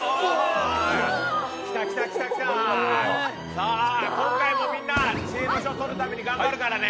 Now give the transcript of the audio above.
さあ今回もみんな知恵の書取るために頑張るからね。